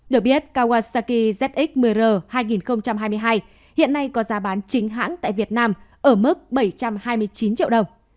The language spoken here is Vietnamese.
được biết kawasaki zx một mươir hai nghìn hai mươi hai hiện nay có giá bán chính hãng tại việt nam ở mức bảy trăm hai mươi chín triệu đồng